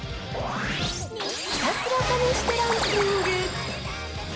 ひたすら試してランキング。